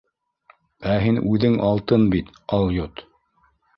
Ә һин үҙең алтын бит, алйот.